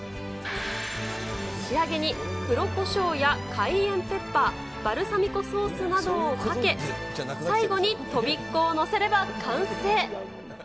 仕上げに黒こしょうやカイエンペッパー、バルサミコ酢ソースなどをかけ、最後にとびっこを載せれば、完成。